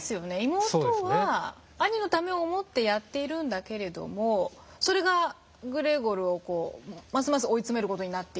妹は兄のためを思ってやっているんだけれどもそれがグレーゴルをますます追い詰める事になっていると？